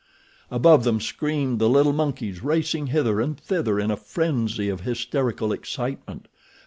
Above them screamed the little monkeys, racing hither and thither in a frenzy of hysterical excitement.